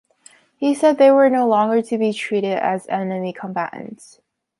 He said they were no longer to be treated as enemy combatants.